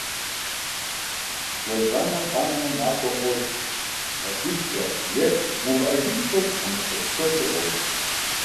Уэлбанэ хъуамэ, махуэм къошх, махуитӀкӀэ е мыувыӀэжыххэу тхьэмахуэ псокӀэ къошх.